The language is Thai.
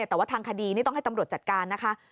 แต่ว่าทางคดีนี่ต้องให้ตำรวจจัดการนะคะ